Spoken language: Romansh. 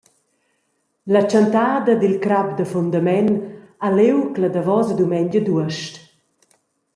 La tschentada dil crap da fundament ha liug la davosa dumengia d’uost.